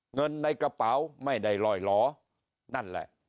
เงินในกระเป๋าไม่ได้ลอยล้อนั่นแหละ